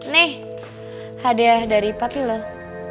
nih hadiah dari papi loh